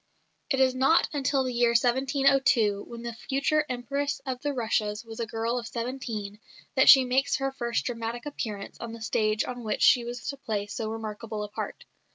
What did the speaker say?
It is not until the year 1702, when the future Empress of the Russias was a girl of seventeen, that she makes her first dramatic appearance on the stage on which she was to play so remarkable a part.